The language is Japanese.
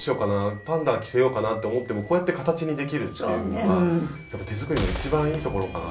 パンダ着せようかな？って思ってもこうやって形にできるっていうのが手作りの一番いいところかなと。